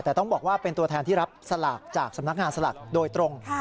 แต่ต้องบอกว่าเป็นตัวแทนที่รับสลากจากสำนักงานสลากโดยตรง